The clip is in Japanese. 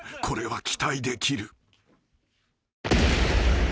［これは期待できる］